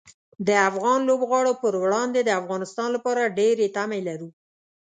د افغان لوبغاړو پر وړاندې د افغانستان لپاره ډېرې تمې لرو.